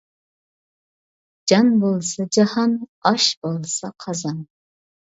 جان بولسا جاھان، ئاش بولسا قازان.